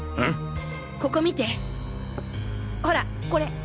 ここ見てほらこれ！